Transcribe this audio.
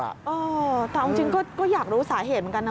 เออแต่เอาจริงก็อยากรู้สาเหตุเหมือนกันนะ